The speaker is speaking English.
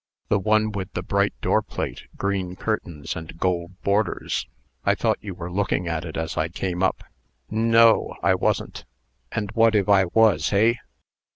"The one with the bright doorplate, green curtains and gold borders. I thought you were looking at it as I came up." "N no, I wasn't. And what if I was, hey?"